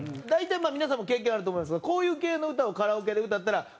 大体皆さんも経験あると思いますけどこういう系の歌をカラオケで歌ったら。